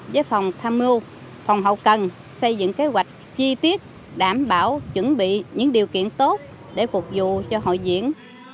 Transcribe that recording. bằng xây dựng kế hoạch chi tiết đảm bảo chuẩn bị những điều kiện tốt để phục vụ cho hội diễn